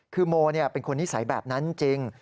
คือโมเป็นคนนิสัยแบบนั้นจริง